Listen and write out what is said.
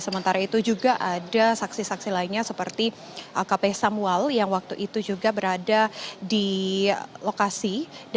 sementara itu juga ada saksi saksi lainnya seperti kp samuel yang waktu itu juga berada di lokasi